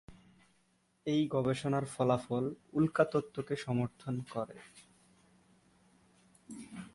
এই গবেষণার ফলাফল উল্কা তত্ত্বকে সমর্থন করে।